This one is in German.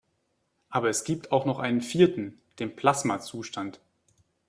Aber es gibt auch noch einen vierten: Den Plasmazustand.